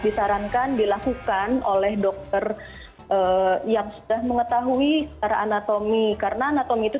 disarankan dilakukan oleh dokter yang sudah mengetahui secara anatomi karena anatomi itu